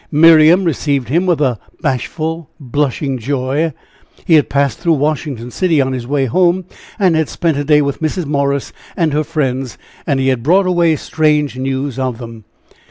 Miriam received him with a bashful, blushing joy. He had passed through Washington City on his way home, and had spent a day with Mrs. Morris and her friends, and he had brought away strange news of them.